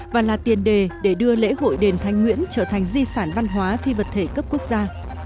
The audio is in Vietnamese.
và là tiền đề để đưa lễ hội đền thanh nguyễn trở thành di sản văn hóa phi vật thể cấp quốc gia